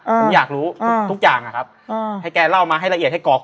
ผมอยากรู้ทุกอย่างนะครับให้แกเล่ามาให้ละเอียดให้กรอก